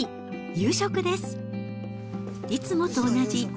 夕食です。